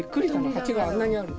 鉢があんなにあるの。